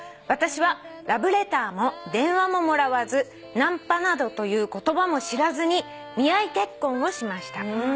「私はラブレターも電話ももらわずナンパなどという言葉も知らずに見合い結婚をしました」